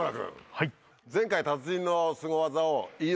はい。